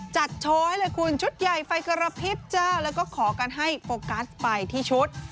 จัดโชว์ให้เลยคุณชุดใหญ่ไฟกระพริบจ้าแล้วก็ขอกันให้โฟกัสไปที่ชุด